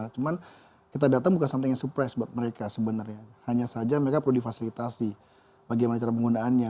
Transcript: cuman kita datang bukan something yang surprise buat mereka sebenarnya hanya saja mereka perlu difasilitasi bagaimana cara penggunaannya